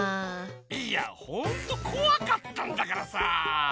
いやほんとこわかったんだからさ！